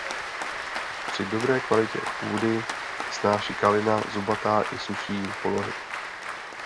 Při dobré kvalitě půdy snáší kalina zubatá i sušší polohy.